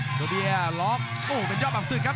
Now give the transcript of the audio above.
ซุปเปอร์เบียร์ล็อคโอ้โหเป็นยอบอับสืบครับ